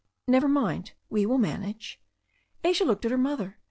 "Never mind. We will manage." Asia looked at her mother.